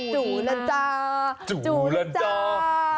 จูลั่นจ่าจูลั่นจ่า